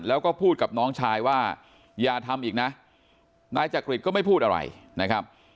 แล้วก็พูดกับน้องชายว่าอย่าทำอีกนะนายจักริตก็ไม่พูดอะไรนะครับ